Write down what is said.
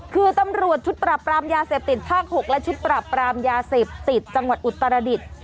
คือตำรวจชุดปรับปรามยาเสพติดภาค๖และชุดปรับปรามยาเสพติดจังหวัดอุตรดิษฐ์